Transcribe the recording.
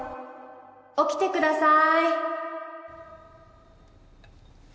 起きてください